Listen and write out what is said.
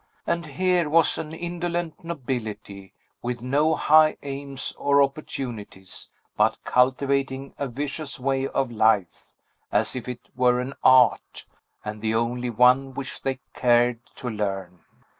And here was an indolent nobility, with no high aims or opportunities, but cultivating a vicious way of life, as if it were an art, and the only one which they cared to learn.